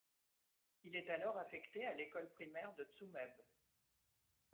Il est alors affecté à l'école primaire de Tsumeb.